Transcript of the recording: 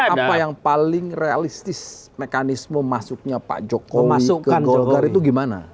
apa yang paling realistis mekanisme masuknya pak jokowi ke golkar itu gimana